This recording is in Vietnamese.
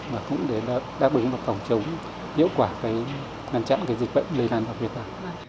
và cũng đã đáp ứng phòng chống hiệu quả ngăn chặn dịch bệnh lây lan vào việt nam